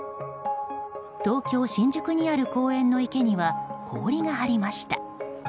東京・新宿にある公園の池には氷が張りました。